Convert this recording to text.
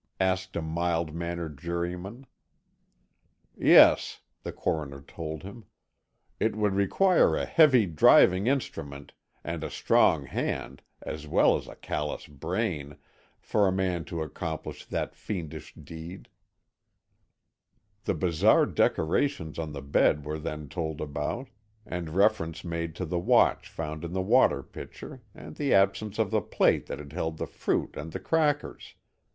asked a mild mannered juryman. "Yes," the coroner told him. "It would require a heavy driving instrument, and a strong hand, as well as a callous brain, for a man to accomplish that fiendish deed." The bizarre decorations on the bed were then told about, and reference made to the watch found in the water pitcher and the absence of the plate that had held the fruit and the crackers.